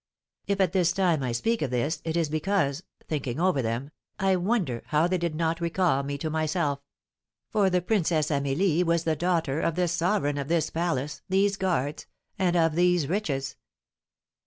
If at this time I speak of this, it is because, thinking over them, I wonder how they did not recall me to myself; for the Princess Amelie was the daughter of the sovereign of this palace, these guards, and of these riches.